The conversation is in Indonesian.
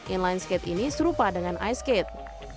inline skate ini serupa dengan ice skate